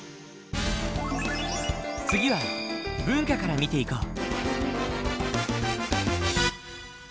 次は文化から見ていこう。